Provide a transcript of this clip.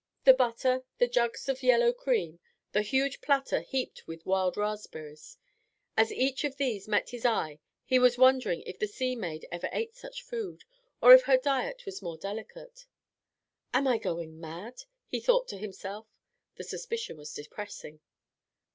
The butter, the jugs of yellow cream, the huge platter heaped with wild raspberries as each of these met his eye he was wondering if the sea maid ever ate such food, or if her diet was more delicate. "Am I going mad?" he thought to himself. The suspicion was depressing.